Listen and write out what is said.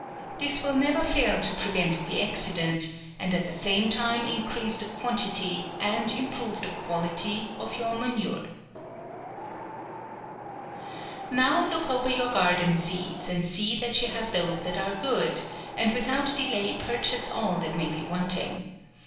This will never fail to prevent the accident, and at the same time increase the quantity, and improve the quali ty, of your manure. Now look over your garden seeds, and see that you have those that are good, and with out delay purchase all that may be wanting.